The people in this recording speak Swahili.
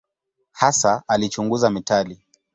Hasa alichunguza metali.